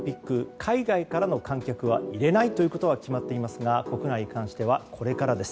海外からの観客は入れないということが決まっていますが国内に関してはこれからです。